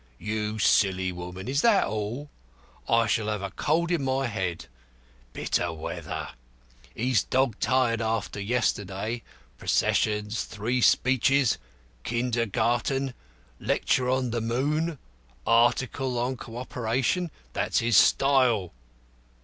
"You silly woman! Is that all? I shall have a cold in my head. Bitter weather. He's dog tired after yesterday processions, three speeches, kindergarten, lecture on 'the moon,' article on cooperation. That's his style."